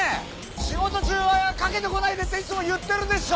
仕事中はかけてこないでっていつも言ってるでしょ？